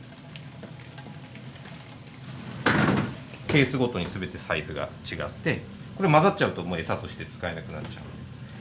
ケースごとに全てサイズが違ってこれ混ざっちゃうともう餌として使えなくなっちゃう。